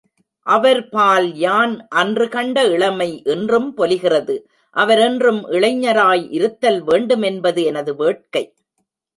அவர்பால் யான் அன்று கண்ட இளமை இன்றும் பொலிகிறது, அவர் என்றும் இளைஞராயிருத்தல் வேண்டுமென்பது எனது வேட்கை.